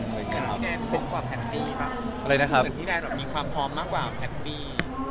เหมือนพี่แดนมีความพร้อมมากกว่าแพทย์ปี